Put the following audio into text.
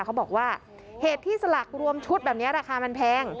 เขาบอกว่าเหตุที่สลักรวมชุดแบบนี้ราคามันแพง